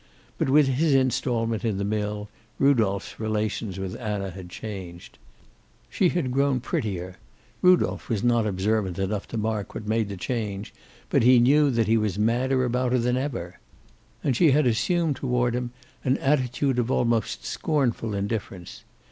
But with his installment in the mill, Rudolph's relations with Anna had changed. She had grown prettier Rudolph was not observant enough to mark what made the change, but he knew that he was madder about her than ever. And she had assumed toward him an attitude of almost scornful indifference.